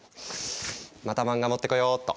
また漫画持ってこよっと。